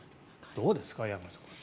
どうですか山口さん。